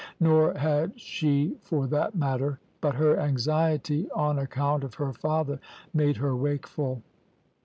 Nor had she for that matter; but her anxiety on account of her father made her wakeful.